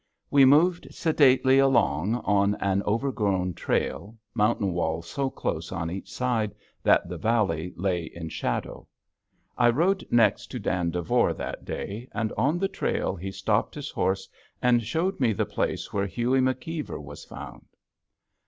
We moved sedately along on an overgrown trail, mountain walls so close on each side that the valley lay in shadow. I rode next to Dan Devore that day, and on the trail he stopped his horse and showed me the place where Hughie McKeever was found.